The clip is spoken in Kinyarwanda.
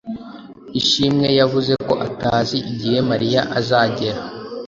Ishimwe yavuze ko atazi igihe Mariya azagera.